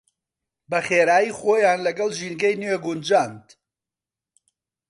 بەخێرایی خۆیان لەگەڵ ژینگەی نوێ گونجاند.